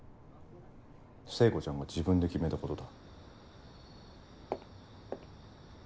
聖子ちゃんが自分で決めたことだ。